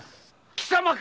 貴様か‼